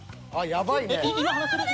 やばい。